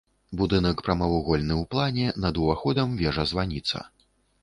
Будынак прамавугольны ў плане, над уваходам вежа-званіца.